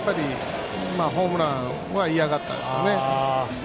ホームランはいやがったんですよね。